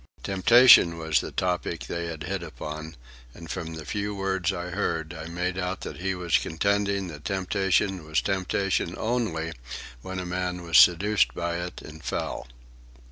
Temptation was the topic they had hit upon, and from the few words I heard I made out that he was contending that temptation was temptation only when a man was seduced by it and fell.